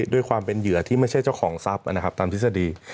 ด้วยความเป็นเหยื่อที่ไม่ใช่เจ้าของทรัพย์นะครับตามทฤษฎี